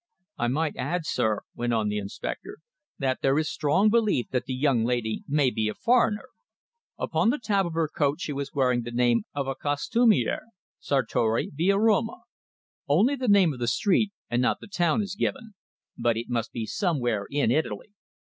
"I might add, sir," went on the inspector, "that there is strong belief that the young lady may be a foreigner. Upon the tab of her coat she was wearing was the name of a costumier: 'Sartori, Via Roma.' Only the name of the street, and not the town is given. But it must be somewhere in Italy.